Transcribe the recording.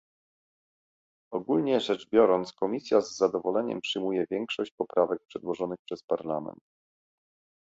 Ogólnie rzecz biorąc, Komisja z zadowoleniem przyjmuje większość poprawek przedłożonych przez Parlament